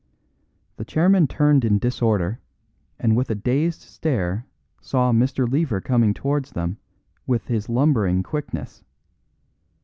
The chairman turned in disorder, and with a dazed stare saw Mr. Lever coming towards them with his lumbering quickness.